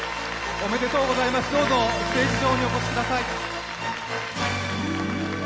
おめでとうございます、どうぞステージ上にお越しください。